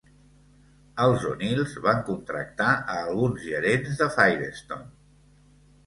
Els O'Neils van contractar a alguns gerents de Firestone.